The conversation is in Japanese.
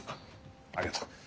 ありがとう。